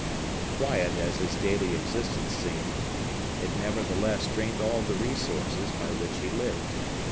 Quiet as his daily existence seemed, it nevertheless drained all the resources by which he lived.